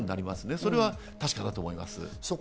それは確かだと思います。